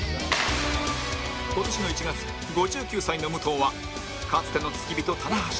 今年の１月５９歳の武藤はかつての付き人棚橋とタッグで対戦